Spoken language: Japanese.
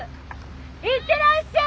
行ってらっしゃい！